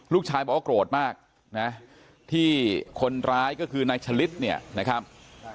ลูกชายบอกว่าโกรธมากนะที่คนร้ายก็คือนายฉลิดเนี่ยนะครับ